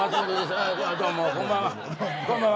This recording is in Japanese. どうもこんばんは。